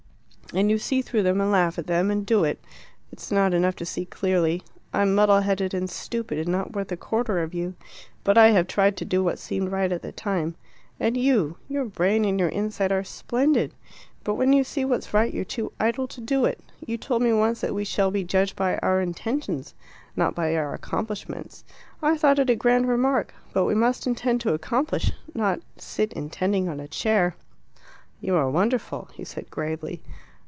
And you see through them and laugh at them and do it. It's not enough to see clearly; I'm muddle headed and stupid, and not worth a quarter of you, but I have tried to do what seemed right at the time. And you your brain and your insight are splendid. But when you see what's right you're too idle to do it. You told me once that we shall be judged by our intentions, not by our accomplishments. I thought it a grand remark. But we must intend to accomplish not sit intending on a chair." "You are wonderful!" he said gravely.